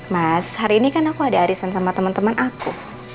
mas hari ini kan aku ada arisan sama teman teman aku